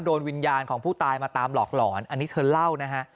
วิญญาณของผู้ตายมาตามหลอกหลอนอันนี้เธอเล่านะฮะ